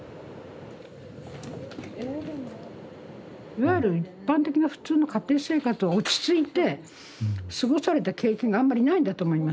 いわゆる一般的な普通の家庭生活を落ち着いて過ごされた経験があんまりないんだと思いますうん。